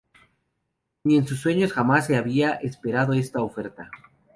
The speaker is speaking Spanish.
Ni en sueños jamás se había esperado esta oferta.